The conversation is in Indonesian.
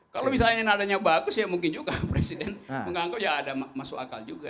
kalau misalnya nadanya bagus ya mungkin juga presiden menganggap ya ada masuk akal juga